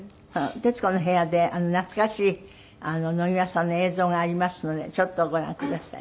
『徹子の部屋』で懐かしい野際さんの映像がありますのでちょっとご覧ください。